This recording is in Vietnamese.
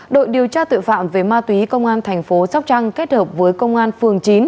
đội điều tra tội phạm về ma túy công an thành phố sóc trăng kết hợp với công an phường chín